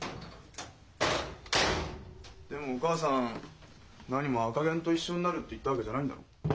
でもお母さんなにも「赤ゲンと一緒になる」って言ったわけじゃないんだろう？